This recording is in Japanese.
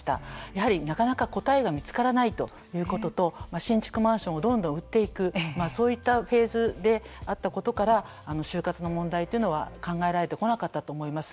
やはりなかなか答えが見つからないということと新築マンションをどんどん売っていくそういったフェーズであったことから終活の問題というのは考えられてこなかったと思います。